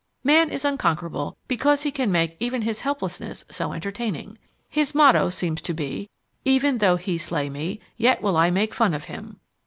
Man is unconquerable because he can make even his helplessness so entertaining. His motto seems to be "Even though He slay me, yet will I make fun of Him!"